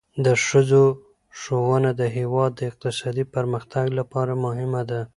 د ښځو ښوونه د هیواد د اقتصادي پرمختګ لپاره مهمه ده.